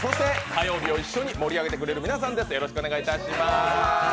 火曜日を一緒に盛り上げてくれる皆さんです。